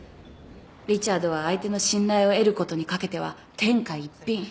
リチャードは相手の信頼を得ることにかけては天下一品。